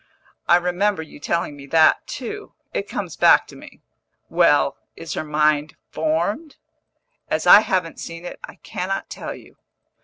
"I remember you telling me that, too. It comes back to me. Well, is her mind formed?" "As I haven't seen it, I cannot tell you."